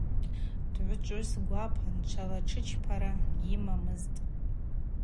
Дгӏвычӏвгӏвыс гвапан, чвалатшычпара гьйыламызтӏ.